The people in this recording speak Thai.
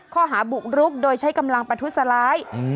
ข้อหาบุกรุกโดยใช้กำลังประทุษร้าย